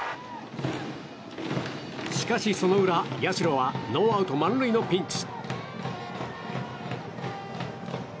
しかし、その裏社はノーアウト満塁のピンチ。